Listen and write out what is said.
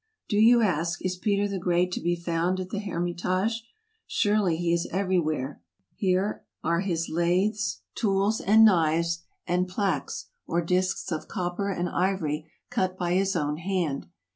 Do you ask, is Peter the Great to be found at the Her mitage ? Surely, he is everywhere, Here are his lathes, 242 TRAVELERS AND EXPLORERS tools, and knives, and plaques, or disks of copper and ivory, cut by his own hand.